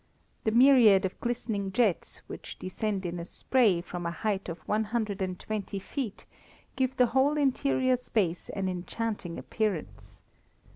The myriad of glistening jets, which descend in spray from a height of one hundred and twenty feet, give the whole interior space an enchanting appearance.